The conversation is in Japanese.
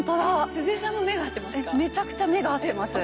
鈴江さんも目が合ってますか？